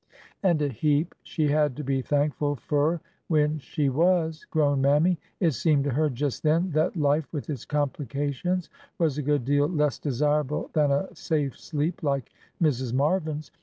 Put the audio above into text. And a heap she had to be 'thankful fur when she was !" groaned Mammy. It seemed to her just then that life, with its complications, was a good deal less desirable THE CERTIFICATE 307 than a safe sleep like Mrs. Marvin's.